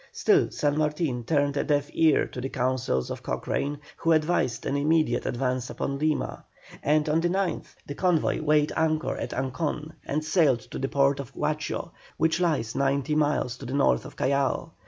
Still San Martin turned a deaf ear to the counsels of Cochrane, who advised an immediate advance upon Lima, and on the 9th the convoy weighed anchor at Ancon, and sailed to the port of Huacho, which lies ninety miles to the north of Callao.